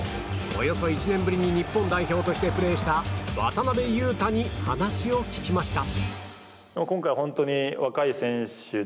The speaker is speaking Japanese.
およそ１年ぶりに日本代表としてプレーした、渡邊雄太に話を聞きました。